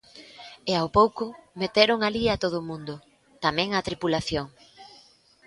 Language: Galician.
E ao pouco meteron alí a todo o mundo, tamén á tripulación.